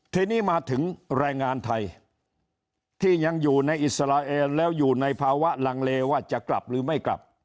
ทีนี้มาถึงแรงงานไทยที่ยังอยู่ในอิสราเอลแล้วอยู่ในภาวะลังเลว่าจะกลับหรือไม่กลับ